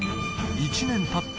１年たった